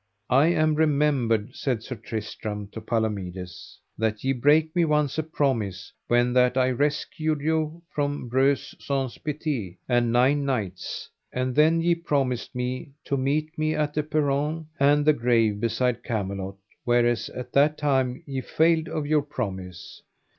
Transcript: I am remembered, said Sir Tristram to Palomides, that ye brake me once a promise when that I rescued you from Breuse Saunce Pité and nine knights; and then ye promised me to meet me at the peron and the grave beside Camelot, whereas at that time ye failed of your promise.